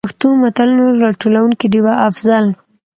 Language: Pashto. پښتو متلونو: راټولونکې ډيـوه افـضـل.